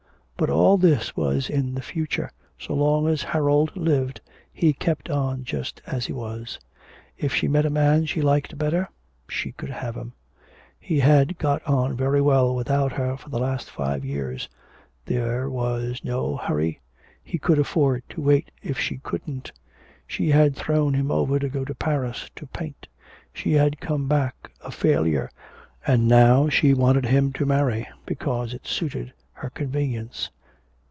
But all this was in the future, so long as Harold lived he'd keep on just as he was; if she met a man she liked better she could have him. He had got on very well without her for the last five years; there was no hurry, he could afford to wait if she couldn't. She had thrown him over to go to Paris to paint; she had come back a failure, and now she wanted him to marry, because it suited her convenience.